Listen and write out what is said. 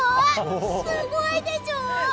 すごいでしょ。